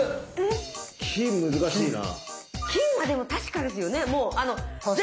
金難しいな。